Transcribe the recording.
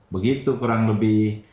begitu kurang lebih